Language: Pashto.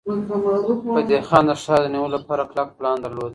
فتح خان د ښار د نیولو لپاره کلک پلان درلود.